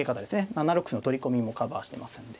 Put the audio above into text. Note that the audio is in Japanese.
７六歩の取り込みもカバーしてますんで。